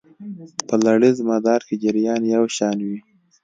په لړیز مدار کې جریان یو شان وي.